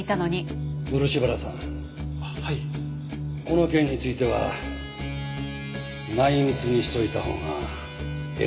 この件については内密にしといたほうがええと思うよ。